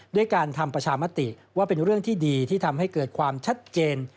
ด้วยการทำประชามติว่าเป็นเรื่องที่ดีที่ทำให้เกิดความชัดเจน